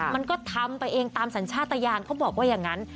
มันก็ทำไปเองตามสัญชาติยานเขาบอกว่าอย่างนั้น